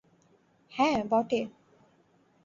হ্যাঁ, বটে!